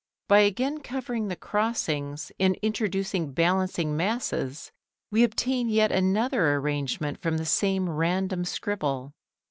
By again covering the crossings and introducing balancing masses we obtain yet another arrangement from the same random scribble.